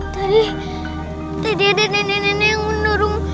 tadi tadi ada nenek nenek yang menurung